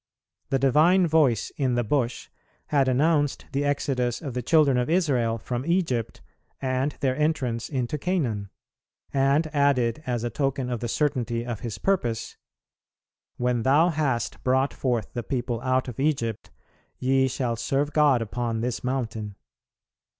The Divine Voice in the bush had announced the Exodus of the children of Israel from Egypt and their entrance into Canaan; and added, as a token of the certainty of His purpose, "When thou hast brought forth the people out of Egypt, ye shall serve God upon this mountain."